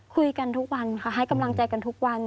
คุยกันทุกวันค่ะให้กำลังใจกันทุกวัน